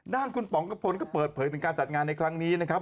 ด้านคุณป๋องกระพลก็เปิดเผยถึงการจัดงานในครั้งนี้นะครับ